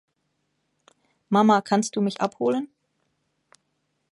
Mama, kannst du mich abholen?